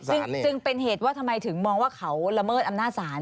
ซึ่งเป็นเหตุว่าทำไมถึงมองว่าเขาละเมิดอำนาจศาล